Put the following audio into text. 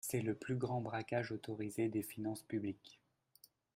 C’est le plus grand braquage autorisé des finances publiques.